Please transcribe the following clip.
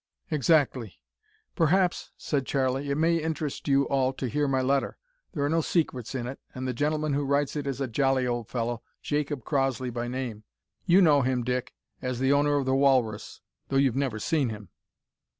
"Exactly. Perhaps," said Charlie, "it may interest you all to hear my letter. There are no secrets in it, and the gentleman who writes it is a jolly old fellow, Jacob Crossley by name. You know him, Dick, as the owner of the Walrus, though you've never seen him."